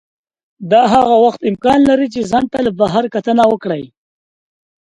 دا هغه وخت امکان لري چې ځان ته له بهر کتنه وکړئ.